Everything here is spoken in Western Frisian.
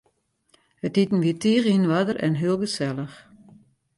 It iten wie tige yn oarder en heel gesellich.